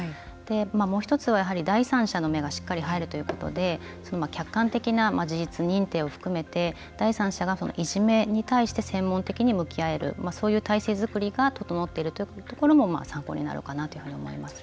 もう一つは、第三者の目がしっかり入るということで客観的な事実認定を含めて第三者が、いじめに対して専門的に向きあえるそういう体制作りが整っているというところが参考になるかなというふうに思います。